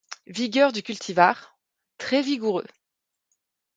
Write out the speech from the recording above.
Vigueur du cultivar: très vigoureux.